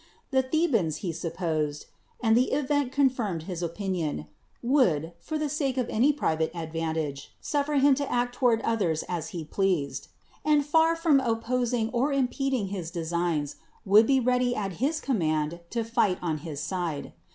The Tiie bans, he supposed (aud the event confirmed his opinion), would, for tlie sake of any private ad vantage, suffer him to act toward others as he 112 DEMOSTHENES pleased; and far from opposinc: or iinpedinc; his designs, would be ready at his comma lul to fight on his side.